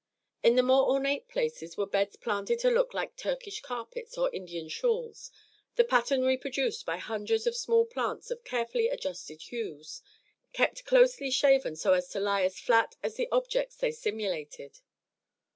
In the more ornate places were beds planted to look like Turkish carpets or Indian shawls, the pattern reproduced by hundreds of small plants of carefully adjusted hues, kept closely shaven so as to lie as flat as the objects they simulated.